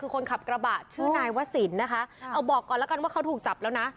คือคนขับกระบะชื่อนายวศิลป์นะคะเอาบอกก่อนแล้วกันว่าเขาถูกจับแล้วนะ